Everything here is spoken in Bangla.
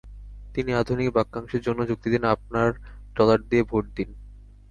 তিনি আধুনিক বাক্যাংশের জন্য যুক্তি দেন, "আপনার ডলার দিয়ে ভোট দিন।